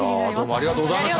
ありがとうございます。